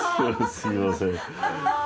すみません。